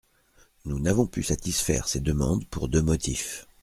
Nous n’avons pu satisfaire ces demandes pour deux motifs.